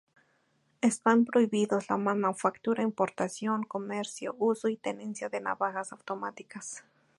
Están prohibidos la manufactura, importación, comercio, uso y tenencia de navajas automáticas.